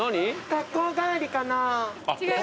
学校帰りかな？